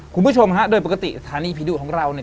คุณผู้ชมฮะโดยปกติสถานีผีดุของเราเนี่ย